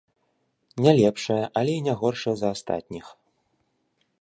Не лепшая, але і не горшая за астатніх.